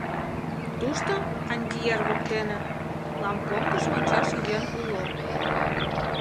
Тушто, Андьер воктене, Лампонгыш вончаш йӧн уло.